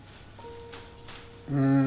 うん。